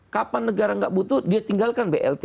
kapan negara nggak butuh dia tinggalkan blt